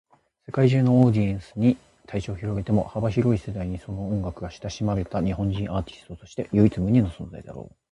世界中のオーディエンスに対象を広げても、幅広い世代にその音楽が親しまれた日本人アーティストとして唯一無二の存在だろう。